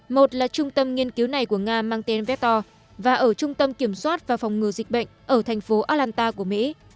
một là trung tâm nghiên cứu này của nga mang tên vector và ở trung tâm kiểm soát và phòng ngừa dịch bệnh ở thành phố atlanta của mỹ